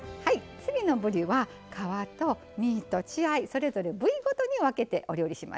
次のぶりは皮と身と血合いそれぞれ部位ごとに分けてお料理しますよ。